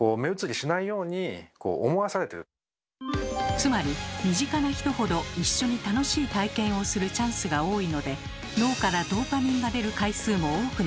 つまり身近な人ほど一緒に楽しい体験をするチャンスが多いので脳からドーパミンが出る回数も多くなります。